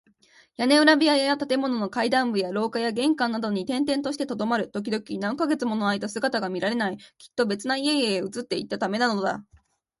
屋根裏部屋や建物の階段部や廊下や玄関などに転々としてとどまる。ときどき、何カ月ものあいだ姿が見られない。きっと別な家々へ移っていったためなのだ。